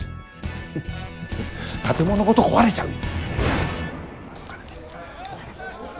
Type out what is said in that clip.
フフフ建物ごと壊れちゃうよ！